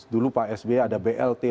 dulu pak sby ada blt